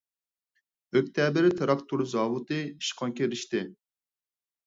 ئۆكتەبىر تىراكتور زاۋۇتى ئىشقا كىرىشتى .